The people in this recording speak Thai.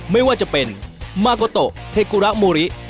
ไม่ว่าจะเป็นมาโกโตเทกุระมูลริ